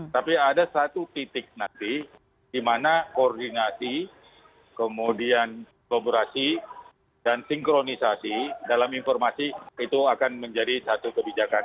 tapi ada satu titik nanti di mana koordinasi kemudian kolaborasi dan sinkronisasi dalam informasi itu akan menjadi satu kebijakan